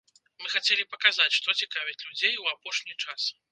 Мы хацелі паказаць, што цікавіць людзей у апошні час.